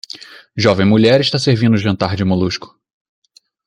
Jovem mulher está servindo o jantar de molusco